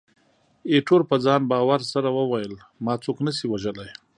ایټور په ځان باور سره وویل، ما څوک نه شي وژلای.